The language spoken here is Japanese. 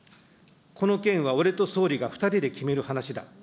この件は俺と総理が２人で決める話だ。